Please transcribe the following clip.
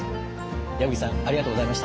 矢吹さんありがとうございました。